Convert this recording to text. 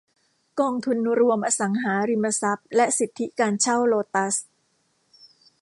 กองทุนรวมอสังหาริมทรัพย์และสิทธิการเช่าโลตัสส์